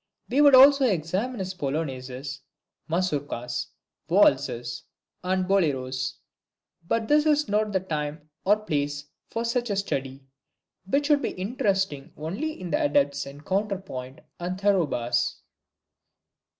We would also examine his Polonaises, Mazourkas, Waltzes and Boleros. But this is not the time or place for such a study, which would be interesting only to the adepts in Counterpoint and Thoroughbass.